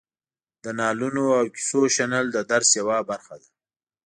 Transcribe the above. د نالونو او کیسو شنل د درس یوه برخه ده.